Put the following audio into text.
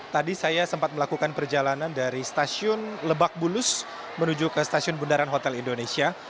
tadi saya sempat melakukan perjalanan dari stasiun lebak bulus menuju ke stasiun bundaran hotel indonesia